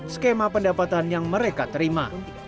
skema pendapatan yang mereka terima